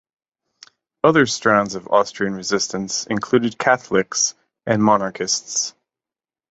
Other strands of Austrian resistance included Catholics and monarchists.